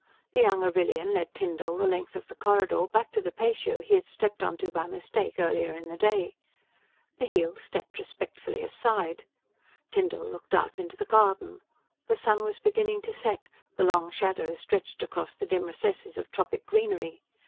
The young Arrillian led Tyndall the length of the corridor, back to the patio he had stepped onto by mistake earlier in the day. Bheel stepped respectfully aside. Tyndall looked out into the garden: the sun was beginning to set, the long shadows stretched across the dim recesses of tropic greenery.